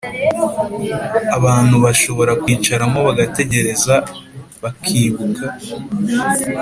abantu bashobora kwicaramo bagatekereza, bakibuka